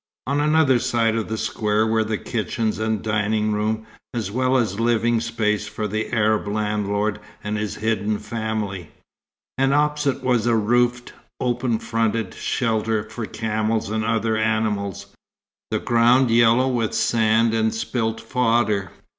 On another side of the square were the kitchens and dining room, as well as living place for the Arab landlord and his hidden family; and opposite was a roofed, open fronted shelter for camels and other animals, the ground yellow with sand and spilt fodder.